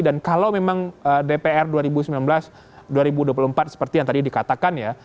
dan kalau memang dpr dua ribu sembilan belas dua ribu dua puluh empat seperti yang tadi dikatakan ya